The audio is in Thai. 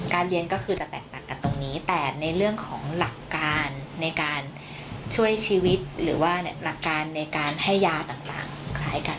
เรียนก็คือจะแตกต่างกันตรงนี้แต่ในเรื่องของหลักการในการช่วยชีวิตหรือว่าหลักการในการให้ยาต่างคล้ายกัน